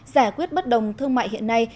giải quyết bất đồng thương mại hiện nay